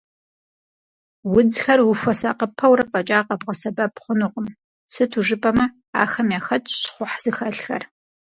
Удзхэр ухуэсакъыпэурэ фӏэкӏа къэбгъэсэбэп хъунукъым, сыту жыпӏэмэ, ахэм яхэтщ щхъухь зыхэлъхэр.